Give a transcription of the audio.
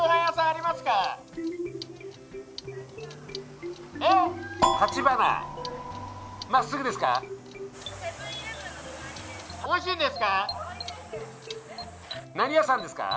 まっすぐですか？